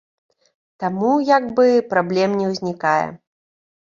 Таму, як бы, праблем не ўзнікае.